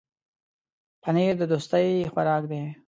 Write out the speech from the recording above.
پنېر د دوستۍ خوراک دی.